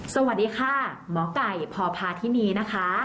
สวัสดีค่ะหมอไก่พพาธินีนะคะ